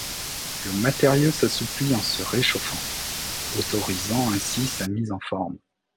Le matériau s'assouplit en se réchauffant, autorisant ainsi sa mise en forme.